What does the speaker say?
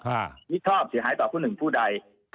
หี้ชอบเสียหายต่อคุ้นห่วงผู้ใด